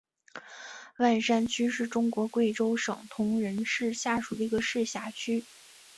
万山区是中国贵州省铜仁市下属的一个市辖区。